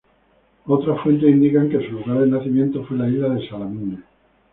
Otras fuentes indican que su lugar de nacimiento fue la isla de Salamina.